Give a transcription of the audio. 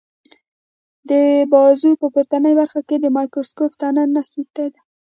د بازو په پورتنۍ برخه کې د مایکروسکوپ تنه نښتې ده.